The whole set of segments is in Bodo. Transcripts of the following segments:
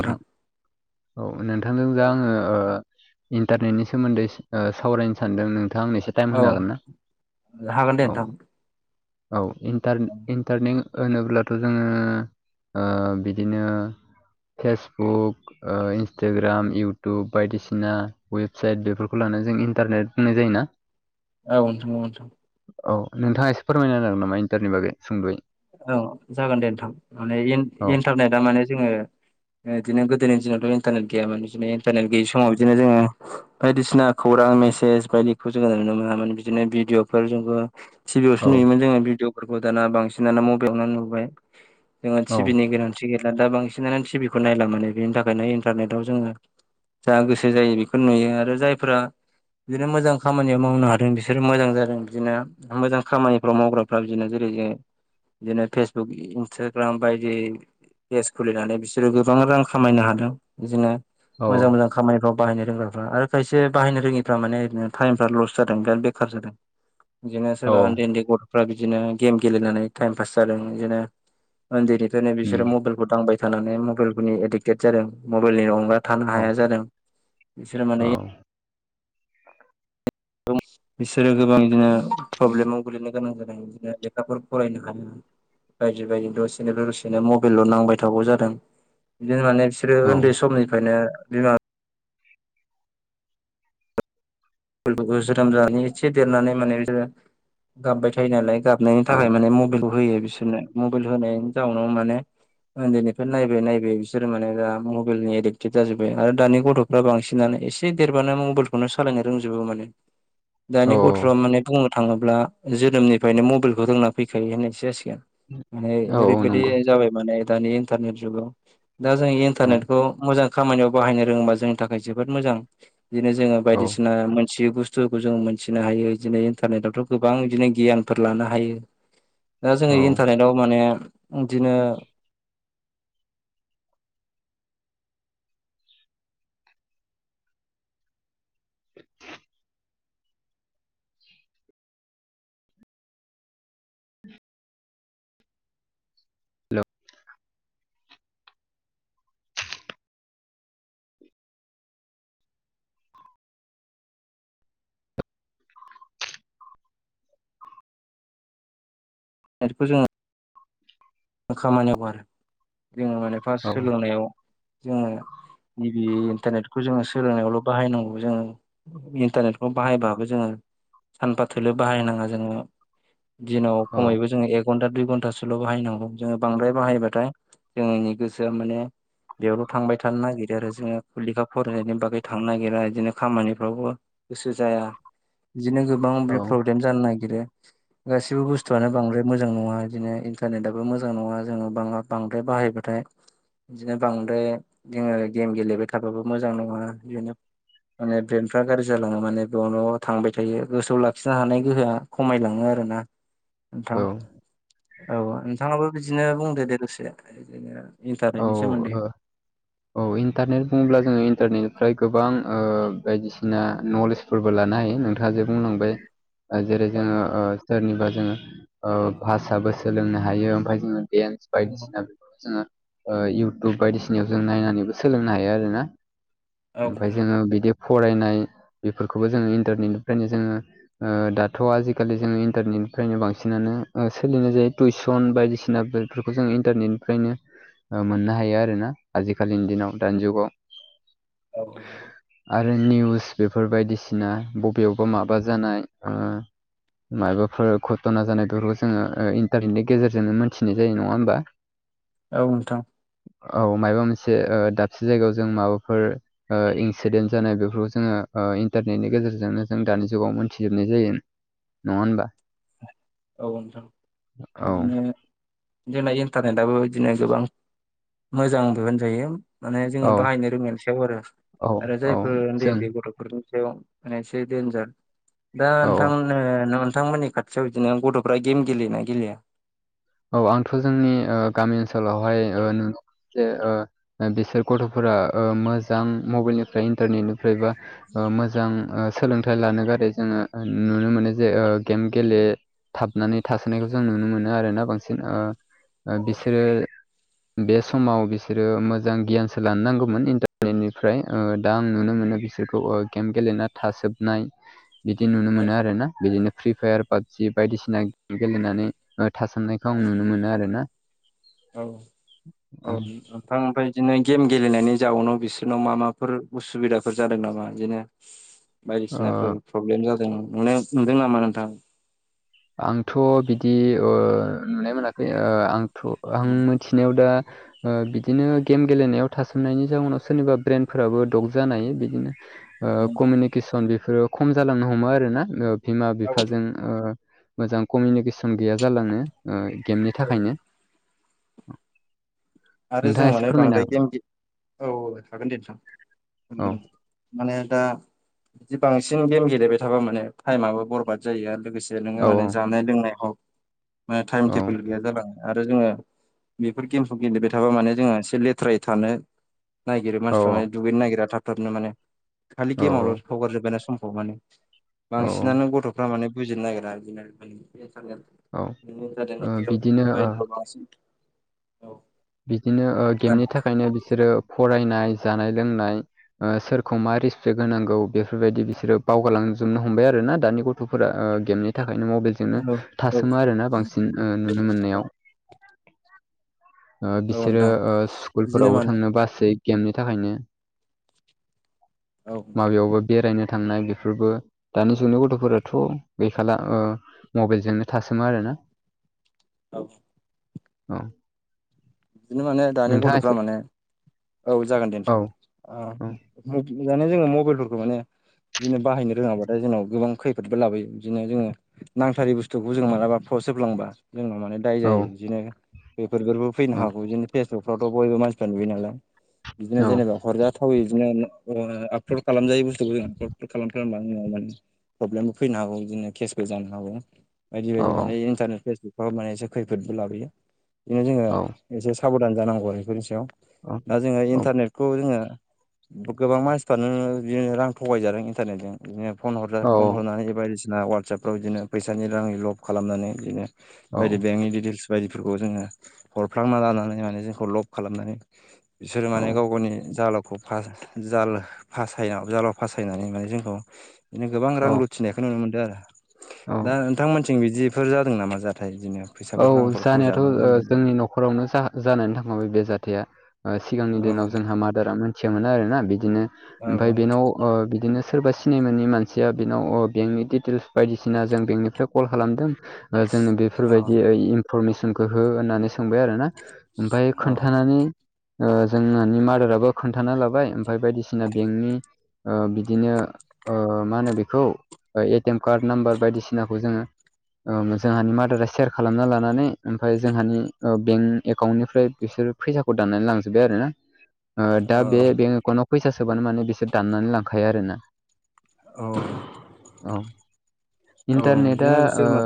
नोंथां औ नोंथांजों दा आङो ओ इन्टारनेटनि सोमोन्दै सावरायनो सानदों नोंथाङा आंनो एसे टाइम औ होनो हागोन ना हागोन दे औ नोंथां औ इन्टरनेट इन टारनिं होनोब्लाथ' जोङो बिदिनो फेसबुक ओ इन्सटाग्राम इउटुब बायदिसिना वेबसाइट बेफोरखौ लानानै जों इन्टारनेट होननाय जायो ना [inaudible] औ नोंथां [unintelligible] औ नोंथाङा एसे फोरमायना होनो हागोन नामा इन्टारनेटनि बागै सुंद'यै औ जागोन दे नोंथां माने इन औ इन्टारनेटआ माने जोङो बिदिनो गोदोनि दिनावथ' इन्टारनेट गैयामोन बिदिनो इन्टारनेट गैयै समाव बिदिनो जोङो बायदिसिना खौरां मेसेज बायदिखौ जोङो नुनो मोनामोन बिदिनो भिदिअफोर जोंबो औ टिभियावसो नुयोमोन जोङो भिडिअफोरखौ दाना बांसिनानो मबाइलावनो नुबाय जोङो औ टिभिनि गोनांथि थि गैला दा बांसिनानो थिबिखौ नायला मो बेनि थाखायनो इन्थारनेटाव जोङो जा गोसो जायो बेखौ नुयो आरो जायफोरा बिदिनो मोजां खामानियाव मावनो हादों बिसोरो मोजां जादों बिदिनो मोजां खामानिफ्राव मावग्राफ्रा बिदिनो जेरै जो बिदिनो फेसबुक, इन्सटाग्राम बायदि पेज खुलिनानै बिसोरो गोबां रां खामायनो हादों बिदिनो औ मोजां मोजां खामानिफ्राव बाहायनो रोंग्राफ्रा आरो खायसे बाहायनो रोङिफ्रा माने ओरैनो थाइमफ्रा लस जादों बिराद बेखार जादों। [inaudible] बिदिनो औ सोरबा ओन्दै ओन्दै गथ'फ्रा बिदिनो गेम गेलेनानै थाइम फास जादों बिदिनो ओन्दैनिफ्रायनो उम बिसोरो मबाइलखौ दांबाय थानानै मबाइल फोरनि एडिक्टेड जादों मबाइलनि अनगा थानो औ हाया जादों बिसोरो औ माने बिसोरो गोबां बिदिनो प्रब्लेमाव गोलैनो गोनां जादों बिदिनो लेखाफोर फरायनो हाया बायदि बायदि दसेनिफाय दसेनो मबेलल' नांबाय थागौ जादों बिदिनो माने रो औ ओन्दै समनिफ्रायनो बिमा [unintelligible] जोनोम जानानै इससे देरनानै माने बिसोरो गाबबाय थायो नालाय गाबनायनि औ थाखाय माने मबाइलखौ होयो बिसोरनो मबाइल होनायनि जाउनाव माने ओन्दैनिफ्राय नायबाय नायबाय बिसोरो माने दा मबाइल नि एडिक्टेड जाजोब्बाय आरो दानि गथ' फ्रा बांसिनानो एसे देरबानो मबाइलखौनो सालायनो रोंजोबो माने औ दानि गथ'आ माने बुं थाङोब्ला जोनोमनिफ्रायनो मबाइलखौ रोंना फैखायो होननायसो जासिगोन माने औ नंगौ ओरैबायदि जाबाय माने दानि इन्टारनेट जुगाव दा जों औ इन्टारनेटखौ मोजां खामानियाव बाहायनो रोङोबा जोंनि थाखाय जोबोद मोजां बिदिनो जोङो औ बायदिसि ओ मोनथियै बुस्थुखौ जों मोनथिनो हायो इदिनो इन्टारनेदावथ' गोबां इदिनो गियानफोर लानो हायो [inaudible] दा जोङो इन्टारनेटाव माने बिदिनो नेटखौ जोङो खामानियाव आरो जोङो माने फार्स्ट औ सोलोंनायाव जोङो गिबि इन्टारनेटखौ जोङो सोलोंनायावल' बाहायनांगौ जोङो इन्टारनेटखौ बाहायबाबो जोङो सानफा थोलो बाहायनाङा जोङो दिनाव औ खमैबो जोङो एक घन्टा दुइ घन्टासोल' बाहायनांगौ जोङो बांद्राय बाहायोबाथाय जोंनि गोसोआ माने बेयावल' थांबाय थानो नागिरो आरो जोङो लेखा फरायनायनि बागै थांनो नागिरा इदिनो खामानिफ्रावबो गोसो जाया बिदिनो गो बा औ माबि प्रब्लेम जानो नागिरो गासिबो बुस्थुआनो बांद्राय मोजां नङा इदिनो इन्टारनेटा बो मोजां नङा जोङो बां बांद्राय बाहायबाथाय बिदिनो बांद्राय जोङो गेम गेलेबाय थाबाबो मोजां नङा बिदिनो माने ब्रेन्डफ्रा गाज्रि जालाङो माने बेयावल' न' थांबाय थायो गोसोआव लाखिनो हानाय गोहोआ खमायलाङो आरोना नोंथां औ औ नोंथाङाबो बिदिनो बुंदो दे दसे बिदिनो औ इन्टारनेटनि सोमोन्दै ओ औ इन्टारनेट बुङोब्ला जोङो इन्टारनेटनिफ्राय गोबां ओ बायदिसिना नलेज फोरबो लानो हायो नोंथाङा जे बुंलांबाय ओ जेरै औ जोङो ओ सोरनिबा जोङो ओ भाषाबो सोलोंनो हायो ओमफाय जोङो डेन्स बायदिसिना जोङो ओ इउटुब बायदिसिनायाव जों नायनानैबो सोलोंनो हायो आरो ना औ ओमफाय नोंथां जोङो बिदि फरायनाय बेफोरखौबो जोङो इन्टारनेटनिफ्रायनो जोङो दाथ' आजिखालि जोङो इन्टारनेटनिफ्रायनो बांसिनानो सोलिनाय जायो टिउसन बायदिसिनाफोर बेफोरखौ जों इन्टारनेटनिफ्रायनो मोननो हायो आरो ना आजिखालिनि दिनाव दानि जुगाव औ आरो निउस बेफोर बायदिसिना बबेयावबा माबा जानाय मायबाफोर घट'ना जानाय बेफोरखौ जोङो इन्टारनेटनि गेजेरजोंनो मोनथिनाय जायो नङा होमबा औ नोंथां औ मायबा मोनसे दाबसे जायगायाव जों माबाफोर इनसिडेन्ट जानाय बेफोरखौ जोङो इन्टारनेटनि गेजेरजोंनो जों दानि जुगाव मोनथिजोबनाय जायो नङा होनबा औ नोंथां औ बिदिनो जोंना इन्टारनेटाबो बिदिनो गोबां मोजां बेदि होजायो माने जोङो औ बाहायनो रोंनायनि सायाव आरो औ आरो औ जायफोर उन्दै जों उन्दै गथ' नि सायाव माने एसे देनजार दा औ नोंथां नोंथांमोननि फिसायाव बिदिनो गथ'फ्रा गेम गेलेयोना गेलेया? औ आंथ' जोंनि ओ गामि ओनसोलावहाय ओ नुनो जे बिसोर गथ'फोरा मोजां मबाइलनिफ्राय इन्टारनेटनि जेनेबा मोजां सोलोंथाइ लानो गारो जोङो नुनो मोनो जे गेम गेले थाबनानै थासोनायखौ जों नुनो मोनो आरोना बांसिन बिसोरो बे समाव बिसोरो मोजां गियानसो लानो नांगौमोन इन्टारनेटनिफ्राय दा आं नुनो मोनो बिसोरखौ गेम गेलेना थाजोबनाय बिदि नुनो औ मोनो आरो ना बिदिनो फ्रि फायार पाबजि बायदिसिना गेले गेलेनानै थाजोबनाय बेयो नुनो मोनो आरोना औ औ औ ओं बिफां ओमफ्राय बिदिनो गेम गेलेनायनि जाउनाव बिसोरनाव मा माफोर उसुबिदाफोर जादों नामा बिदिनो [inaudible] ओ बायदिसिनाफोर प्रब्लेम जादों नोनाय नुदों नामा नोंथां आंथ' बिदि नुनाय मोनाखै आं थ' आं औ मिथिनायाव दा बिदिनो गेम गेलेनायाव थासोमनायनि जाउनाव सोरनिबा ब्रेनफोराबो डग जानाय बिदिनो कमिउनिकेसन बेफोरो खम जालांनो हमो आरोना बिमा बिफाजों ओ मोजां कमिउनिकेसन गैया जालांनो गेमनि औ थाखायनो आरो जों नोंथाङा एसे माने फोरमायनो बांद्राय हागोन गेम औ औ हागोन दे नोंथां माने दा बिदि बांसिन गेम गेलेबाय थाबा माने टाइमआबो बरबाद जायो आरो लोगोसे नोङो औ माने जानाय लोंनायावे टाइम टेबोल गैया जालांड़ो आरो जोङो बेफोर गेमखौ गेलेबाय थाबा माने जोङो एसे लेथ्रायै थानो नायागिरो औ मानसिफ्रा माने दुगैनो नागिरा थाब थाबनो माने खालि औ गेमावलो हगार जोब्बायना समखौ माने औ बांसिनानो गथ'फ्रा माने बिजिनो नागिरा आरोखि ना नोंथां औ ओ बिदिनो ओ बिबायदानो बांसिन औ बिदिनो गेमनि थाखायनो बिसोरो फरायनाय जानाय लोंनाय सोरखौ मा रिसपेक्ट होनांगौ बेफोरबायदि बिसोरो बावगारलांजोबनो हमबाय आरो ना दानि गथ' गथ'फोरा गेमनि थाखायनो मबाइलजोंनो औ औ थासोमो आरोना बांसिन नुनो औ मोननायाव औ बिसोरो नोंथां बिदिनो स्कुलफोरावबो माने थांनो बासै गेमनि थाखायनो औ नोंथां माबायावबो बेरायनो थांनाय बेफोरबो दानि जुगनि गथ'फोराथ' गैखाला मबाइलजोंनो थासोमो आरोना औ औ बिदिनो माने दानि नोंथाङा गथ'फ्रा एसे माने औ जागोन दे औ नोंथां औ दाने जोङो मबाइलफोरखौ माने बिदिनो बाहायनो रोङाबाथाय जोंनाव गोबां खैफोदबो लाबोयो बिदिनो जोङो नांथारै बुस्थुखौ जों मालाबा फरस होलांबा जोंनाव माने दाय औ जायो बिदिनो बेफोरबो फैनो औ हागौ बिदिनो फेसबुकफ्रावथ' बयबो मानसिफ्रा नुयो नालाय बिदिनो औ जेनेबा हरजाथावै बिदिनो आपल'ड खालामजायो बुस्थुखौ जों आपलड खालामफालां माने प्रब्लेमबो फैनो हागौ बिदिनो केसबो जानो हागौ बायदि औ बायदि माने इन्टारनेट फेसबुकफ्राव माने एसे खैफोदबो लाबोयो बिदिनो जोङो औ एसे साबधान जानांगौ आरो बेफोरनि सायाव दा जोङो इन्टारनेटखौ जोङो गोबां मानसिफ्रानो बिदिनो रां थगायजादों इन्टारनेटजों बिदिनो फन हर फन हरनानै बेबायदि जा अवाट्सपफ्राव बिदिनो फैसानि रांनि लब खालामनानै बिदिनो औ बायदि बेंकनि डिटेल्स बायदिफोरखौ जोङो हरफ्लांना लानानै माने जोंखौ लब खालामनानै बिसोरो औ माने गाव गावनि जालखौ जाल फासायाव जालाव फासायनानै माने जोंखौ बिदिनो गोबां रां औ लुथिनाय बेखौ नुनो मोनदों आरो औ दा नोंथांमोनथिं बिदिफोर जादों नामा जाथाय बिदिनो औ फैसाफोर रांफोर जानायाथ' खावजानाय अनलाइनजों जोंनि न'खरावनो जानानै थांखाबाय बे जाथाया सिगांनि औ दिनाव जोंहा मादारा मिथिया मोना आरो ना बिदिनो औ ओमफ्राय बेनाव अ बिदिनो सोरबा सिनायमोननि मानसिया बेनाव बेंकनि डिटेल्स बायदिसिना जों बेंकनिफ्राय कल खालामदों जोङो औ बेफोरबायदि इनफरमेसनखौ हो होननानै सोंबाय आरोना ओमफ्राय औ खोन्थानानै जोंहानि मादाराबो खोन्थाना लाबाय ओमफ्राय बायदिसिना बेंकनि बिदिनो मा होनो बेखौ ए टिएम कार्ड नाम्बार बायदिसिनाखौ जोङो जोंहानि मादारा सेयार खालामना लानानै ओमफ्राय जोंहानि बेंक एकाउन्टनिफ्राय बिसोरो फैसाखौ दाननानै लांजोब्बाय आरोना दा बे औ बेंक एकाउन्ट आव फैसा सोबानो माने बिसोर दाननानै लांखायो आरोना औ औ औ इन्टारनेटआ बिदिनो बिसोर मा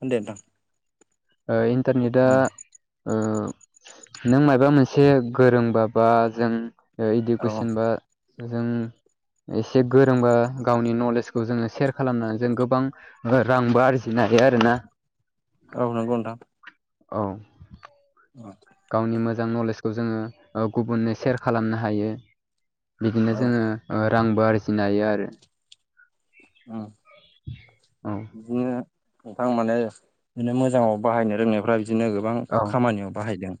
औ दे नोंथां इन्टारनेटआ नों माबा मोनसे गोरोंबाबा जों इडुकेसन बा जों एसे गोरोंबा गावनि नलेजखौ जोङो सेयार खालामनानै जों गोबां रांबो आरजिनो हायो आरो ना औ नंगौ नोंथां औ औ गावनि मोजां नलेजखौ जोङो गुबुननो सेयार खालामनो हायो बिदिनो औ जोङो रांबो आरजिनो हायो आरो अ औ बिदिनो नोंथां माने बिदिनो मोजाङाव बाहायनो रोंनायफ्रा बिदिनो गोबां औ खामानियाव बाहायदों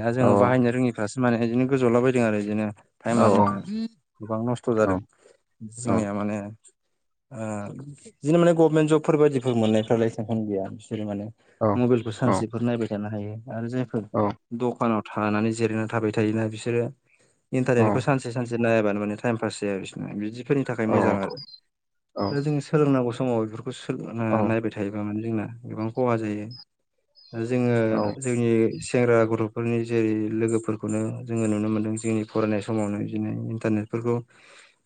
दा औ जोङो बाहायनो रोङिफ्रासो माने इदिनो गोजौला बायदों आरो इदिनो टाइमानो जोंना गोबां नस्थ' औ जादों औ जोंनिया माने ओ इदिनो माने गभमेन्ट जबफोर बायदिफोर मोननायफ्रालाय टेनस गैया बिसोरो माने औ मबेल खौ औ सानसेफोर नायबाय थानो हायो आरो जायफोर औ दकानाव थानानै जिरायनानै थाबाय थायोना बिसोरो औ इन्टारनेटखौ सानसे सानसे नायाबानो माने टाइम पास जाया बिसोरना बिदिफोरनि थाखाय औ मोजां आरो औ दा जोङो सोलोंनांगौ समाव इफोर खौ [unintelligible] नायबाय थायोबा माने जोंना गोबां खहा जायो दा जोङो जोंनि सेंग्रा गथ'फोरनि जेरै लोगोफोरखौनो जोङो नुनो मोनदों जोंनि फरायनाय समावनो बिदिनो इन्टारनेटफोरखौ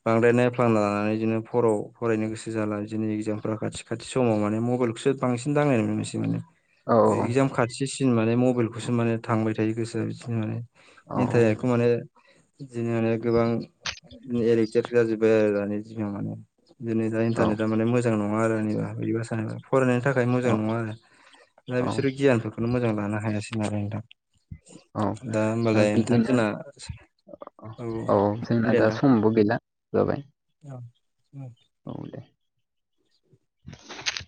बांद्राय नायफ्लांना लानानै इदिनो हराव फरायनो गोसो जाला। इदिनि इगजामफोरा खाथि खाथि समाव माने मबाइल खौसो बांसिन दांनाय नुनो मोनसै माने इगजाम खा सिन माने मबाइलखौसो माने थांबाय थायो गोसोआ बिदिनो माने औ इन्टारनेटखौ माने बिदिनो माने गोबां एडिकटेट जाजोब्बाय आरो दानि दिनाव माने जेनेबा [unintelligible] इन्टारनेटा माने मोजां नङा आरो आंनिबा बोरैबा सानोबा फरायनायनि थाखाय मोजां नङा आरो दा औ बिसोरो गियानफोरखौनो मोजां लानो हायासै नालाय नोंथां। औ दा ओमबालाय नोंथां जोंना औ अ अ जोंना दा समबो गैला जाबाय औ औ औ दे [inaudible]